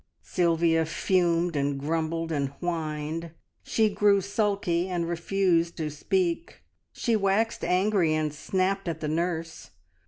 Sylvia fumed, and grumbled, and whined; she grew sulky and refused to speak; she waxed angry and snapped at the nurse.